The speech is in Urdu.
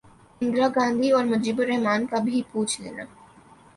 اندرا گاندھی اور مجیب الر حمن کا بھی پوچھ لینا